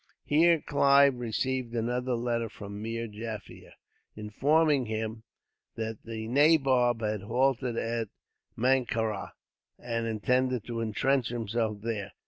Here Clive received another letter from Meer Jaffier, informing him that the nabob had halted at Mankarah, and intended to entrench himself there.